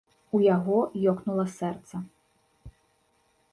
У яго ёкнула сэрца.